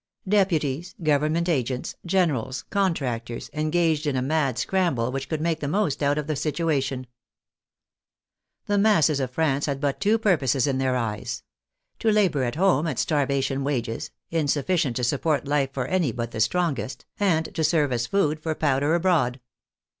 Deputies, Government agents, generals, contractors, engaged in a mad scramble which could make the most out of the situation. The masses of France had but two purposes in their eyes — to labor at home at starvation wages, in sufficient to support life for any but the strongest, and to serve as food for powder abroad.